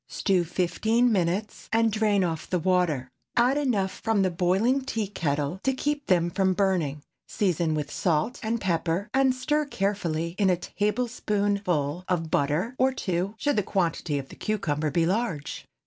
Stew fifteen minutes, and drain off the water. Add enough from the boiling tea kettle to keep them from burning; season with salt and pepper, and stir carefully in a tablespoonful of butter—or two, should the quantity of cucumber be large.